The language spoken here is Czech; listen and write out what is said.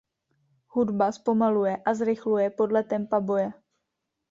Hudba zpomaluje a zrychluje podle tempa boje.